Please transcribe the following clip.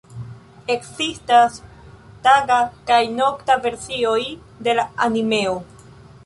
Ekzistas taga kaj nokta versioj de la animeo.